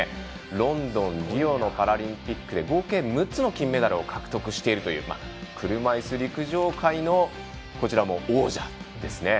ロンドン、リオのパラリンピックで合計６つの金メダルを獲得しているという車いす陸上界のこちらも王者ですね。